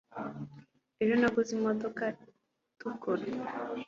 ejo, naguze imodoka itukura